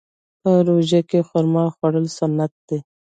په روژه کې خرما خوړل سنت دي.